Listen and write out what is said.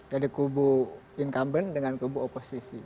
jadi kubu incumbent dengan kubu oposisi